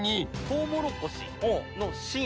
トウモロコシの芯。